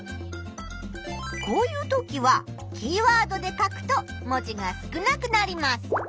こういうときはキーワードで書くと文字が少なくなります。